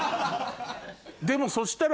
でもそしたら。